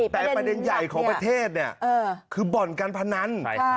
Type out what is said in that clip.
แต่ประเด็นใหญ่ของประเทศเนี่ยคือบ่อนการพนัน